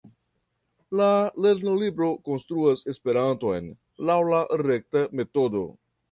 La lernolibro instruas Esperanton laŭ la rekta metodo.